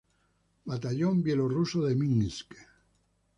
Batallón Bielorruso de Minsk".